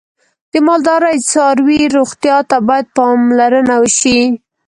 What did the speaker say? د مالدارۍ څاروی روغتیا ته باید پاملرنه وشي.